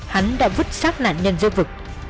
hắn đã vứt sát nạn nhân dơ vực